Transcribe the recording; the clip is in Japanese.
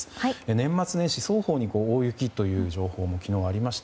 年末年始双方に大雪という情報が昨日、ありました。